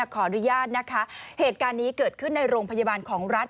ขออนุญาตนะคะเหตุการณ์นี้เกิดขึ้นในโรงพยาบาลของรัฐ